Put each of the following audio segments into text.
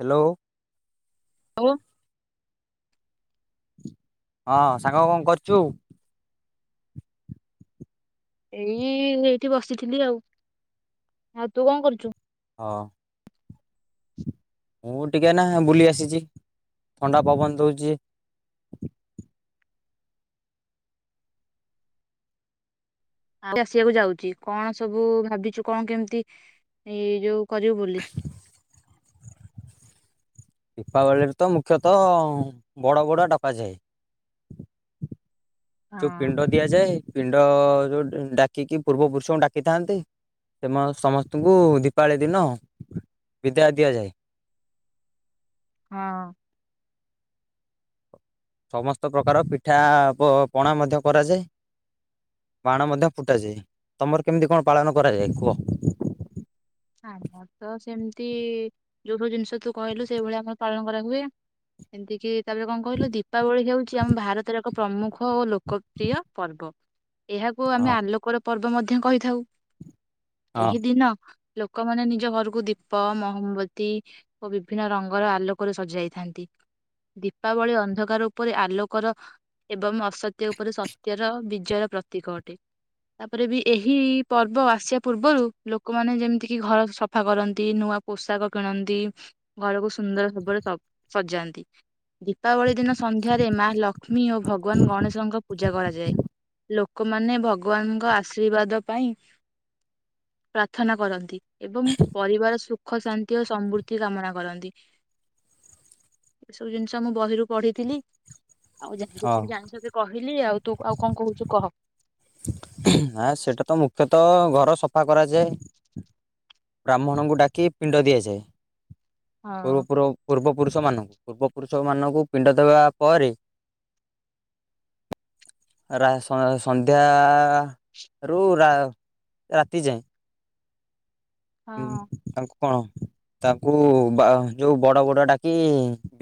Hello [inaudible] ହଁ ସାଙ୍ଗ କଣ କରୁଛୁ। ଏଇ ଏଇଠି ବସିଥିଲି ଆଉ ଆଉ ତୁ କଣ କରୁଛୁ। ହଁ ମୁଁ ଟିକେ ନା ବୁଲି ଆସିଛି ଥଣ୍ଡା ପବନ ଦଉଛି। ଆଉ ଆସିବାକୁ ଯାଉଛି କଣ ସବୁ ଭାବିଛୁ କଣ କେମିତି ଏଇ ଯୋଉ କରିବୁ ବୋଲି। ଦୀପାବଳିରେ ତ ମୁଖ୍ୟତଃ ବଡ ବଡୁଆ ଡକାଯାଏ। ଯୋଉ ହଁ ପିଣ୍ଡ ଦିଆଯାଏ ପିଣ୍ଡ ଅ ଯେଉ ଡାକିକି ପୂର୍ବ ପୁରୁଷଙ୍କୁ ଡାକିଥାନ୍ତି ସେ ସମସ୍ତଙ୍କୁ ଦୀପାବଳି ଦିନ ବିଦାୟ ଦିଆଯାଏ। ହଁ ସମସ୍ତ ପ୍ରକାର ପିଠା ପ-ପଣା ମଧ୍ୟ କରାଯାଏ ବାଣ ମଧ୍ୟ ଫୁଟାଯାଏ ତମର କେମିତି କଣ ପାଳନ କରାଯାଏ କୁହ। ଆମର ତ ସେମତି ଯୋଉ ସବୁ ଜିନିଷ ତୁ କହିଲୁ ସେଇଭଳିଆ ଆମର ପାଳନ କରା ହୁଏ ଏମିତି କି ତାପରେ କଣ କହିଲୁ ଦୀପାବଳି ହେଉଛି ଆମ ଭାରତରେ ଏକ ପ୍ରମୁଖ ବହୁ ଲୋକପ୍ରିୟ ପର୍ବ। ଏହାକୁ ଆମେ ହଁ ଆଲୋକର ପର୍ବ ମଧ୍ୟ ମଧ୍ୟ କହିଥାଉ ହଁ ଏହି ଦିନ ଲୋକମାନେ ନିଜ ଘରକୁ ଦୀପ ମୋହମବତୀ ଓ ବିଭିନ୍ନ ରଙ୍ଗର ଆଲୋକରେ ସଜାଇଥାନ୍ତି। ଦୀପାବଳି ଅନ୍ଧକାର ଉପରେ ଆଲୋକର ଏବଂ ଅସତ୍ୟ ଉପରେ ସତ୍ୟର ବିଜୟର ପ୍ରତୀକ ଅଟେ ତାପରେ ବି ଏହି ପର୍ବ ଆସିବା ପୂର୍ବରୁ ଲୋକମାନେ ଯେମିତି କି ଘର ସଫା କରନ୍ତି ନୂଆ ପୋଷାକ କିଣନ୍ତି ଘରକୁ ସୁନ୍ଦର ଭାବରେ ସଜାନ୍ତି। ଦୀପାବଳି ଦିନ ସନ୍ଧ୍ୟାରେ ମା ଲକ୍ଷ୍ମୀ ଓ ଭଗବାନ ଗଣେଶଙ୍କ ପୂଜା କରାଯାଏ। ଲୋକମାନେ ଭଗବାନଙ୍କ ଆଶୀର୍ବାଦ ପାଇଁ ପ୍ରାର୍ଥନା କରନ୍ତି। ଏବଂ ପରିବାର ସୁଖ। ସୁଖ ଶାନ୍ତି ଓ ସମୃଦ୍ଧି କାମନା କରନ୍ତି। ଏସବୁ ଜିନିଷ ମୁଁ ବହିରୁ ପଢିଥିଲି ଆଉ ଯାହା ହଁ ଯେତିକି ଜାଣିଛ ସେ କହିଲି ଆଉ। ତୁ ଆଉ କଣ କହୁଛୁ କହ? ହ ସେଇଟା ତ ମୁଖ୍ୟତଃ ଘର ସ ସଫା କରାଯାଏ ବ୍ରାହ୍ମଣଙ୍କୁ ଡାକି ପିଣ୍ଡ ଦିଆଯାଏ। ହଁ ପୂର୍ବ ପୁର ପୂର୍ବ ପୁରୁଷ ମାନଙ୍କୁ ପୂର୍ବ ପୁରୁଷ ମାନଙ୍କୁ ପିଣ୍ଡ ଦେବା ପରେ ସନ୍ଧ୍ୟା ଆ ରୁ ରାତି ଯାଏଁ । ହୁଁ ହଁ ଆଉ କଣ ତାଙ୍କୁ ଯୋଉ ବଡ ବଡ ଡାକି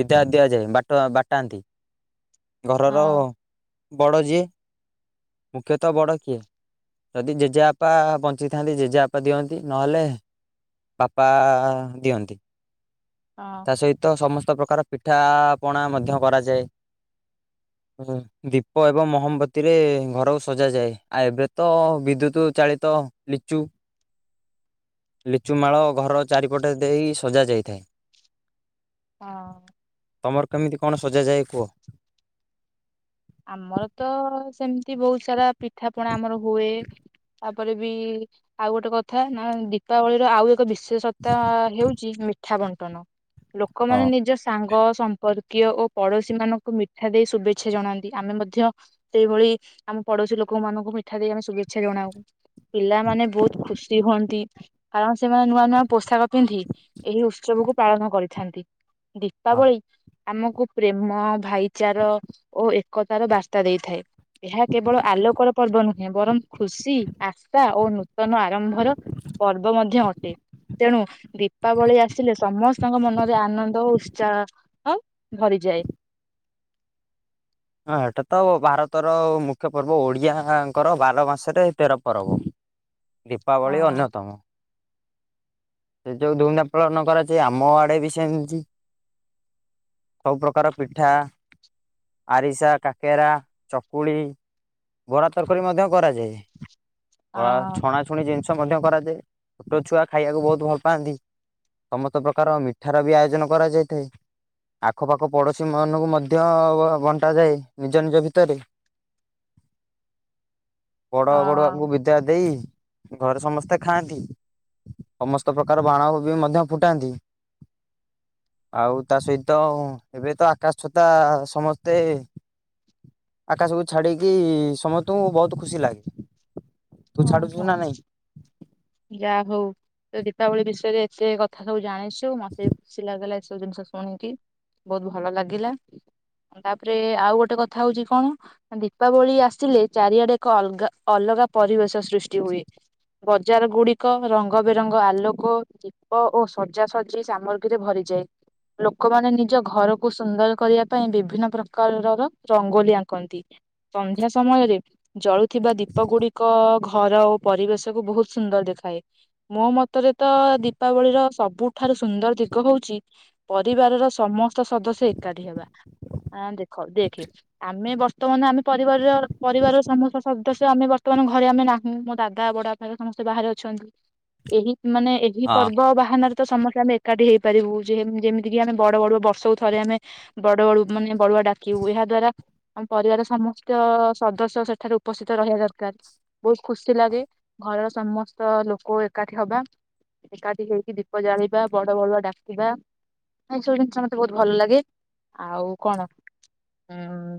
ବିଦା ଦିଆଯାଏ। ବାଟ ବାଟାନ୍ତି ହଁ ଘରର ବଡ଼ ଯିଏ ମୁଖ୍ୟତଃ ବଡ଼ କିଏ ଯଦି ଜେଜେବାପା ବଞ୍ଚିଥାନ୍ତି ଜେଜେବାପା ଦିଅନ୍ତି ।ନହେଲେ ବାପା ଦିଅନ୍ତି। ହଁ ତା ସହିତ ସମସ୍ତ ସତ ପ୍ରକାର ପିଠାପଣା ମଧ୍ୟ କରାଯାଏ ।ଦୀପ ଏବଂ ମହମବତୀରେ ଘରକୁ ସଜାଯାଏ। ଆଉ ଏବେ ତ ବିଦ୍ୟୁତ ଚାଳିତ ଲିଚୁ ଲିଚୁ ମାଳ ଘର ଚାରିପଟେ ଦେଇ ସଜା ଯାଇଥାଏ। ହଁ। ତମର କେମିତି କଣ ସଜାାଯାଏ କୁହ? ଆମର ତ ସେମତି ଏ ବହୁତ ସାରା ପିଠା ପଣା ଆମର ହୁଏ। ତାପରେ ବି ଆଉ ଗୋଟେ କଥା ନା ଦୀପାବଳିର ଆଉ ଏକ ବିଷ ସତା ହେଉଛି ମି ଖାବଣ୍ଟନ। ହଁ। ଲୋକମାନେ ନିଜ ସାଙ୍ଗ। ସମ୍ପର୍କୀୟ ଓ ପଡୋଶୀ ମାନଙ୍କୁ ମିଠା ଦେଇ ଶୁଭେଚ୍ଛା ଜଣାନ୍ତି। ଆମେ ମଧ୍ୟ ସେଇଭଳି ଆମ ପଡୋଶୀ ଲୋକ ମାନଙ୍କୁ ମିଠା ଦେଇ ଆମେ ଶୁଭେଚ୍ଛା ଜଣାଉ। ପିଲାମାନେ ବହୁତ ଖୁସି ହୁଅନ୍ତି। କାରଣ ସେମାନେ ନୂଆ ନୂଆ ପୋଷାକ ପିନ୍ଧି ଏହି ଉତ୍ସବକୁ ପାଳନ କରିଥାନ୍ତି। ହଁ ଦୀପାବଳି। ଆମକୁ ପ୍ରେମ ଭାଇଚାରା ଓ। ତାର ବାର୍ତ୍ତା ଦେଇଥାଏ ଏହା କେବଳ ଆଲୋକର ପର୍ବ ନୁହେଁ ବରଂ ଖୁସି ଆଶା ଓ ନୂତନ ଆରମ୍ଭର ପର୍ବ ମଧ୍ୟ ଅଟେ ତେଣୁ। ଦୀପାବଳି ଆସିଲେ ସମସ୍ତଙ୍କ ମନରେ ଆନନ୍ଦ ଓ ଉତ୍ସା। ଚା ହ ଭରିଯାଏ। ହଁ ଏଟା ତ ଭାରତର ମୁଖ୍ୟ ପର୍ବ ଓଡିଆଙ୍କର ବାର ମାସରେ ତେର ପର୍ବ। ଦୀପାବଳି ହଁ ଅନ୍ୟତମ। ସେ ଯଉ ଧୁଧା ପାଳନ [unintelligible] କରାଯାଏ ଆମ ଆଡେ ବି ସେମିତି ସବୁ ପ୍ରକାର ପିଠା ଆରିସା କାକେରା ଚକୁଳି ବରା ତରକାରୀ ମଧ୍ୟ କରାଯାଏ। ପୁର [inaudible] ହଁ ଛଣାଛଣି ଜିନିଷ। ତ ମଧ୍ୟ କରାଯାଏ ଛୋଟ ଛୁଆ ଖାଇବାକୁ ବହୁତ। ଭଲ ପାଆନ୍ତି ସମସ୍ତ ପ୍ରକାର ମିଠାର ବି ଆୟୋଜନ କରାଯାଇଥାଏ ଆଖପାଖ ପଡୋଶୀ ମାନଙ୍କୁ ମଧ୍ୟ ବଣ୍ଟାଯାଏ ନିଜ ନିଜ ଭିତରେ। ବଡ ବଡୁଆଙ୍କୁ ହଁ ବିଦାୟ ଦେଇ। ଘରେ ସମସ୍ତେ ଖାଆନ୍ତି। ସମସ୍ତ ପ୍ରକାର ବାଣ ବି ମଧ୍ୟ ଫୁଟାନ୍ତି ଆଉ ତା ସହିତ ଏବେ ତ ଆକାଶ ଛତା ସମସ୍ତେ ଆକାଶକୁ ଛାଡ଼ିକି ସମସ୍ତ। ତୁ ବହୁତ ଖୁସି ଲାଗେ। ତୁ ଛାଡୁଛୁ ନା ନାଇଁ। ଯା ହଉ ତ ଦୀପାବଳି ବିଷୟରେ ଏତେ କଥା ସବୁ ଜାଣିଛ। ମତେ ବି ଖୁସି ଲାଗିଲା। ବୁ ଜିନିଷ ଶୁଣିକି ବହୁତ ଭଲ ଲାଗିଲା ତାପରେ ଆଉ ଗୋଟେ କଥା ହଉଛି କଣ ଦୀପାବଳି ଆସିଲେ ଚାରିଆଡେ ଏକ ଅଲଗା ଅଲଗା ପରିବେଶ ସୃଷ୍ଟି ହୁଏ ବ ବଜାର ଗୁଡିକ ରଙ୍ଗ ବେରଙ୍ଗ ଆଲୋକ ଦୀପ ଓ ସଜାସଜି ସାମଗ୍ରୀରେ ଭରିଯାଏ ଲୋକମାନେ ନିଜ ଘରକୁ ସୁନ୍ଦର କରିବା ପାଇଁ ବିଭିନ୍ନ ପ୍ରକାରର ରଙ୍ଗୋଲି ଆଙ୍କନ୍ତି ସନ୍ଧ୍ୟା ସମୟରେ ଜଳୁଥିବା ଦୀପ ଗୁଡିକ ଘର ଓ ପରିବେଶକୁ ବହୁତ। ସୁନ୍ଦର ଦେଖାଏ ମୋ ମତରେ ତ ଦୀପାବଳିର ସବୁଠାରୁ ସୁନ୍ଦର ଦିଗ ହଉଛି ପରିବାରର ସମସ୍ତ ସଦସ୍ୟ ଏକାଠି ହେବା ଦେଖ ଦେଖେ ଆମେ ବର୍ତ୍ତମାନ ଆମେ ପରିବାରର ପରିବାରର ସମସ୍ତ ସଦସ୍ୟ ଆମେ ବର୍ତ୍ତମାନ ଘରେ ଆମେ ନାହୁଁ ମୋ ଦାଦା ବଡୁଆଙ୍କୁ ବାପା। ସମସ୍ତେ ବାହାରେ ଅଛନ୍ତି ଏହି। ମାନେ ଏହି ହଁ ପର୍ବ ବାହାନାରେ ତ ସମସ୍ତେ ଆମେ ଏକାଠି ହେଇ। ପାରିବୁ ଯେ ଯେମିତିକି ଆମେ ବଡ ବଡୁଆ ବର୍ଷକୁ ଥରେ ଆମେ ବଡ ବଡ ମାନେ ବଡୁଆ ଡାକିବୁ ଏହା ଦ୍ଵାରା ଆମ ପରିବାର ସମସ୍ତ ସଦସ୍ୟ ସେଠାରେ ଉପସ୍ଥିତ ରହିବା ଦରକାର ବହୁତ ଖୁସି ଲାଗେ ଘରର ସମସ୍ତ ଲୋକ ଏକାଠି ହବା ଏକାଠି ହେଇକି ଦୀପ ଜାଳିବା ବଡ ବଡୁଆ ଡାକିବା ଏ ସବୁ ଜିନିଷ ମତେ ବହୁତ ଭଲ ଲାଗେ ଆଉ କଣ ଉଁ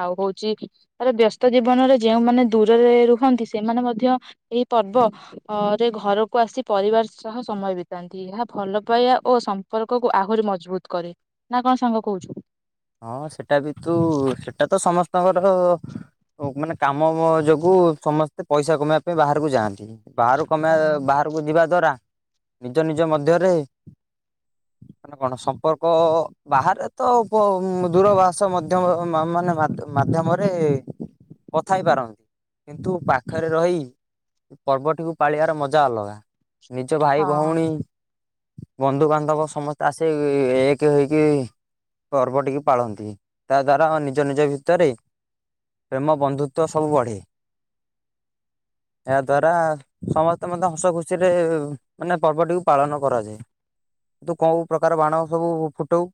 ଆଉ ହଉଛି ତାର ବ୍ୟସ୍ତ ଜୀବନରେ ଯେଉମାନେ ଦୂରରେ ରୁହନ୍ତି ସେମାନେ ମଧ୍ୟ। ମଧ୍ୟ ଏହି ପର୍ବରେ ଘରକୁ ଆସି ପରିବାର ସହ ସମୟ ବିତାନ୍ତି ଏହା ଭଲ ପାଇବା ଓ ସମ୍ପର୍କକୁ ଆହୁରି ମଜବୁତ କରେ ନା କଣ ସାଙ୍ଗ କହୁଛୁ। ହଁ ସେଟା ବି ତୁ ସେଟା ତ ସମସ୍ତଙ୍କର ମାନେ କାମ ଯୋଗୁ ସମସ୍ତେ ପଇସା କମେଇବା ପାଇଁ ବାହାରକୁ ଯାଆନ୍ତି। ବାହାରୁ ହଁ କମେଇ ବାହାରକୁ ଯିବା ଦ୍ଵାରା। ନିଜ ନିଜ ମଧ୍ୟରେ ମ କଣ ସମ୍ପର୍କ ବାହାରେ ତ ଉପ ଦୂରଭାଷ ମଧ୍ୟମ ମାନେ ମାଧ୍ୟମରେ କଥା ହେଇ ପାରନ୍ତି କିନ୍ତୁ ପାଖରେ ରହି ପର୍ବଟିକୁ ପାଳିବାର ମଜା ଅଲଗା ନିଜ ଭାଇ ହଁ ଭଉଣୀ। ବନ୍ଧୁବାନ୍ଧବ ସମସ୍ତେ ଆସେ ଏକ ହେଇକି ପର୍ବଟିକୁ ପାଳନ୍ତି ତା ଦ୍ୱାରା ନିଜ ନିଜ ଭିତରେ ପ୍ରେମ ବନ୍ଧୁତଵ ସବୁ ବଢ଼େ ଏହା ଦ୍ୱାରା ସମସ୍ତେ ମଧ୍ୟେ ହସ ଖୁସିରେ ମାନେ ପର୍ବଟିକୁ ପାଳନ କରାଯାଏ କି ତୁ କଉଁ ପ୍ରକାର ବାଣ ସବୁ ଫୁଟଉ।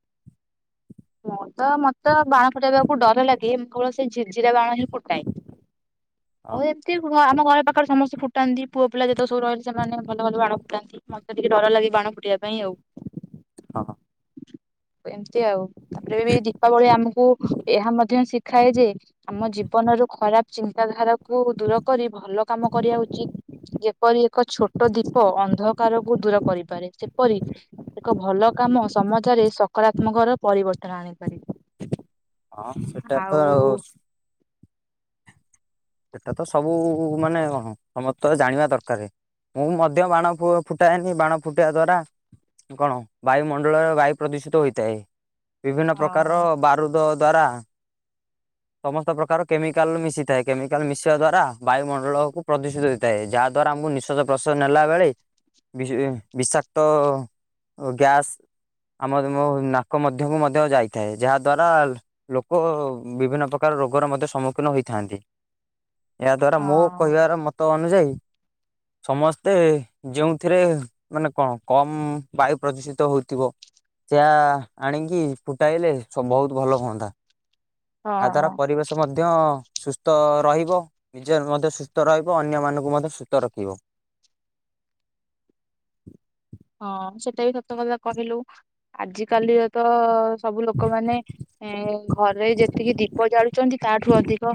ମୁଁ ତ କୌଣସି ଝିରା ବାଣ ହିଁ ଫୁଟାଏ ହଁ ମୁଁ ଏମିତି ଆମ ଘର ପାଖରେ ସମସ୍ତେ ଫୁ ଟନ୍ଦି ପୁଅପିଲା ଯେତେକ ସବୁ ରହିଲେ ସେମାନେ ଭଲ ଭଲ ବାଣ ପଟାନ୍ତି। ମତେ ଟିକେ ଡର ଲାଗେ ବାଣ ଫୁଟେଇବା ପାଇଁ ଆଉ। ହଁ ହଁ। ଏମତି ଆଉ। ତାପରେ ବି ଦୀପାବଳି ଆମକୁ ଏହା ମଧ୍ୟ ଶି ଖାଏ ଯେ ଆମ ଜୀବନରୁ ଖରାପ ଚିନ୍ତାଧାରା କୁ ଦୂର କରି ଭଲ କାମ କରିବା ଉଚିତ ଯେପରି ଏକ ଛୋଟ ଦୀପ ଅନ୍ଧକାରକୁ ଦୂର କରିପାରେ ସେପରି ଏକ ଭଲ କାମ ସମାଜରେ ସକରାତ୍ମକର ପରିବର୍ତ୍ତ ତ୍ରାଣି ପରିବି ହଁ ସେଟା ତ ଆଉ ସେଟା ତ ସବୁ ମାନେ କଣ ସମସ୍ତେ ତ ଜାଣିବା ଦରକାରେ ମୁଁ ମଧ୍ୟ ବାଣ ଫୁ-ଫୁଟାଏନି ବାଣ ଫୁଟାଇବା ଦ୍ଵାରା କଣ ବାୟୁମଣ୍ଡଳର ବାୟୁ ପ୍ରଦୂଷିତ ହୋଇଥାଏ। ବିଭିନ୍ନ ଅ ପ୍ରକାରର ବାରୁଦ ଦ୍ୱାରା ସମସ୍ତ ପ୍ରକାର କେମିକାଲ ମିଶିଥାଏ କେମିକାଲ ମିଶିବା ଦ୍ୱାରା ବାୟୁମଣ୍ଡଳକୁ ପ୍ରଦୂଷିତ ହୋଇଥାଏ ଯାହାଦ୍ୱାରା ଆମକୁ ନିଶ୍ୱାସ ପ୍ରସ୍ୱାସ ନେଲା ବେଳେ ବିସସ-ବିଷାକ୍ତ ଗ୍ୟାସ୍ ଆମ ମୋ ନାକ ମଧ୍ୟକୁ ମଧ୍ୟ ଯାଇଥାଏ ଯାହାଦ୍ୱାରା ଲୋକ ବିଭିନ୍ନ ପ୍ରକାର ରୋଗର ମଧ୍ୟ ସମ୍ମୁଖୀନ ହୋଇଥାନ୍ତି। ଏହା ଦ୍ଵାରା ହଁ ମୁଁ କହିବାର ମତ ଅନୁଯାୟୀ ସମସ୍ତେ ଯେଉଁଥିରେ ମାନେ କଣ କମ ବାୟୁ ପ୍ରଦୂଷିତ ହୋଇଥିବ ସେଇଆ ଆଣିକି ଫୁଟାଇଲେ ସ-ବୋହୁତ ଭଲ ହୁଅନ୍ତା। ଆ ଦ୍ୱାରା ହଁ ପରିବେଶ ମଧ୍ୟ ସୁସ୍ତ ରହିବ ନିଜର ମଧ୍ୟ ସୁସ୍ତ ରହିବ ଅନ୍ୟମାନଙ୍କୁ ମଧ୍ୟ ସୁସ୍ତ ରଖିବ। ହଁ ସେଟା ବି ସତ କଥା କହିଲୁ ଆଜିିକାଲିକା ତ ସବୁ ଲୋକମାନେ ଏ ଘରେ ଯେମିତିକି ଦୀପ ଜାଳୁଛନ୍ତି ତାଠୁ ଅଧିକ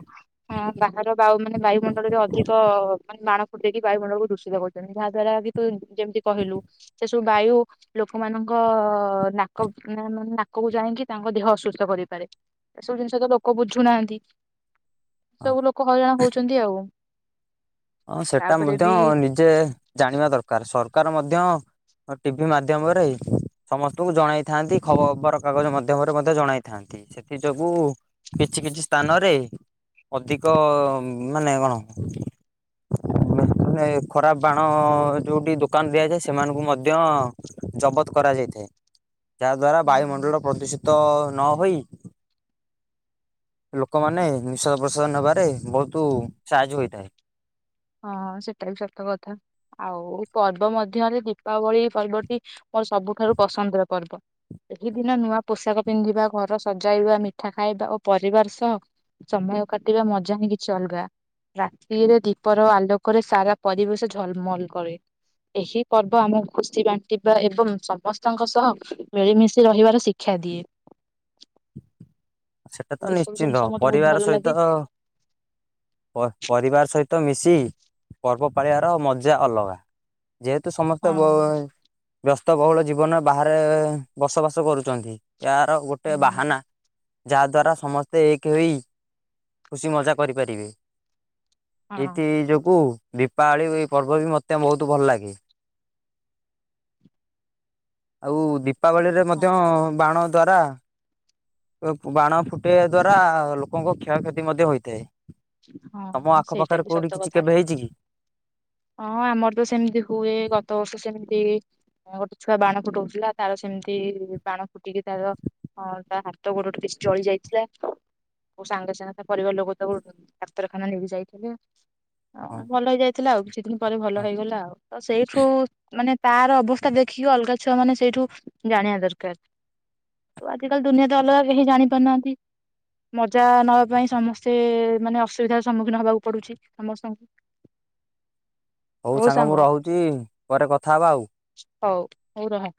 ବାହାର ବାୟୁ ମାନେ ବାୟୁମଣ୍ଡଳରେ ଅଧିକ ମାନେ ବାଣ ଫୁଟେଇକି ବାୟୁମଣ୍ଡଳକୁ ଦୂଷିତ କରୁଛନ୍ତି ଯାହା ଦ୍ଵାରା କି ତୁ ଯେମିତି କହିଲୁ ସେ ସବୁ ବାୟୁ ଲୋକମାନଙ୍କ ନାକ କାନ ନାକକୁ ଯାଇକି ତାଙ୍କ ଦେହ ଅସୁସ୍ଥ କରିପାରେ ଏସବୁ ଜିନିଷ ତ ଲୋକ ବୁଝୁନାହାଁନ୍ତି ସବୁ ଲୋକ ହଇରାଣ ହଉଛନ୍ତି ଆଉ । ହଁ ସେଟା ମଧ୍ୟ ନିଜେ ଜାଣିବା ଦରକାର ସର ସରକାର ମଧ୍ୟ ଟିଭି ମାଧ୍ୟମରେ ସମସ୍ତଙ୍କୁ ଜଣାଇଥାନ୍ତି ଖବରକାଗଜ ମାଧ୍ୟମରେ ମଧ୍ୟ ଜଣାଇଥାନ୍ତି। ସେଥି ଯୋଗୁ କିଛି କିଛି ସ୍ଥାନରେ ଅଧିକ ମାନେ କଣ ଖରାପ ବାଣ ଯୋଉଠି ଦୋକାନ ଦିଆଯାଏ ସେମାନଙ୍କୁ ମଧ୍ୟ ଜବତ କରାଯାଇଥାଏ। ଯାହା ଦ୍ଵାରା ବାୟୁମଣ୍ଡଳ ପ୍ରଦୂଷିତ ନହୋଇ ଲୋକମାନେ ନିଶ୍ୱାସ ପ୍ରଶ୍ଵାସ ନେବାରେ ବହୁତୁ ସାହାଯ୍ୟ ହୋଇଥାଏ। ହଁ ହଁ ସେଟା ବି ସତ କଥା ଆଉ ପର୍ବ ମଧ୍ୟରେ ଦୀପାବଳି ପର୍ବଟି ମୋର ସବୁଠାରୁ ପସନ୍ଦର ପର୍ବ। ଏହି ଦିନ ନୂଆ ପୋଷାକ ପିନ୍ଧିବା ଘର ସଜାଇବା ମିଠା ଖାଇବା ଓ ପରିବାର ସହ ସମୟ କାଟିବା ମଜା ନା କିଛି ଅଲଗା ରାତିରେ ଦୀପ ଦୀପର ଆଲୋକରେ ସାରା ପରିବେଶ ଝଲମଲ କରେ ଏହି ପର୍ବ ଆମକୁ ଖୁସି ବାଣ୍ଟିବା ଏବଂ ସମସ୍ତଙ୍କ ସହ ମିଳିମିଶି ରହିବାର ଶିକ୍ଷା ଦିଏ। ସେଟା ତ ଆଉ ଏସବୁ ନିଶ୍ଚିନ୍ତ ଜିନିଷ ମତେ ବହୁତ ପରିବାର ଭଲ ସହିତ ଲାଗେ ପରିବାର ସହିତ ମିଶି ପର୍ବ ପାଳିବାର ମଜା ଅଲଗା। ଯେହେତୁ ସମସ୍ତେ ହଁ। ବ୍ୟସ୍ତ ବ୍ୟସ୍ତ ବହୁଳ ଜୀବନ ବାହାରେ ବସବାସ କରୁଛନ୍ତି ୟାର ଗୋଟେ ବାହାନା । ଯାହାଦ୍ୱାରା ସମସ୍ତେ ଏକ ହୋଇ ଖୁସି ମଜା କରିପାରିବେ। ଏଇଥି ହଁ ଯୋଗୁଁ ଦୀପାବଳୀ ଏଇ ପର୍ବ ବି ମତେ ବହୁତ ଭଲ ଲାଗେ ଆଉ ଦୀପାବଳିରେ ମଧ୍ୟ ବାଣ ଦ୍ଵାରା ବାଣ ଫୁଟେଇବା ଦ୍ଵାରା ଲୋକଙ୍କ କ୍ଷୟକ୍ଷତି ମଧ୍ୟ ହୋଇଥାଏ। ହଁ ତମ ହଁ ଆଖ ସେଇଟା ପାଖରେ ବି ସତ କୋଉଠି କିଛି କଥା। କେବେ ହେଇଛି କି? ହଁ ଆମର ତ ସେମିତି ହୁଏ ଗତ ବର୍ଷ ସେମିତି ଗୋଟେ ଛୁଆ ବାଣ ଫୁଟଉଥିଲା ତାର ସେମିତି ବାଣ ଫୁଟିକି ତାର ତା ହାତ ଗୋଡ଼ କିଛି ଜଳି ଯାଇଥିଲା ସାଙ୍ଗେ ସାଙ୍ଗେ ତା ପରିବାର ଲୋକ ତାକୁ ଡାକ୍ତରଖାନା ନେଇକି ଯାଇଥିଲେ ହଁ ଭଲ ହେଇଯାଇ ଥିଲା ଆଉ ଦିନ ପରେ ଭଲ ହଁ ହେଇଗଲା ଆଉ ତ ସେଇଠୁ ମାନେ ତାର ଅବସ୍ଥା ଦେଖିକି ଅଲଗା ଛୁଆ ମାନେ ସେଇଠୁ ଜାଣିବା ଦରକାର ତ ଆଜିିକାଲି ଦୁନିଆ ତ ଅଲଗା କେହି ଜାଣିପାରୁନାହାଁନ୍ତି ମଜା ନବା ପାଇଁ ସମସ୍ତେ ମାନେ ଅସୁବିଧାର ସମ୍ମୁଖୀନ ହବାକୁ ପଡ଼ୁଛି ସମସ୍ତଙ୍କୁ ହଉ ସାଙ୍ଗ ମୁଁ ରହୁଛି ପରେ କଥା ହବା ଆଉ । ହଉ। ହଉ ରହ।